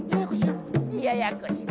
ややこしや。